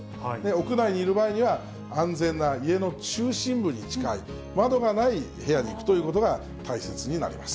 屋内にいる場合には、安全な家の中心部に近い、窓がない部屋に行くということが大切になります。